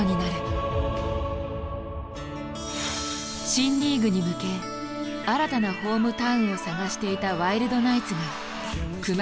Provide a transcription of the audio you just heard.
新リーグに向け新たなホームタウンを探していたワイルドナイツが熊谷に本拠地を移転。